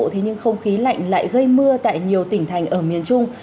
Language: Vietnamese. thế nhưng không khí lạnh lại gây mưa tại nhiều tỉnh thành ở miền trung